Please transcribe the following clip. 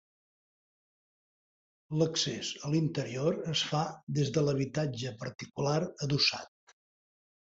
L'accés a l'interior es fa des de l'habitatge particular adossat.